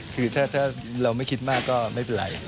คือถ้าเราไม่คิดมากก็ไม่เป็นไร